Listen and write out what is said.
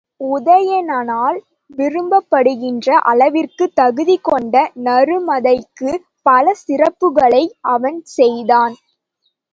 உதயணனால் விரும்பப்படுகின்ற அளவிற்குத் தகுதி கொண்ட நருமதைக்குப் பல சிறப்புக்களை அவன் செய்தான்.